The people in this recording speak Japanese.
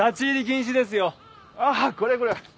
ああこれはこれは。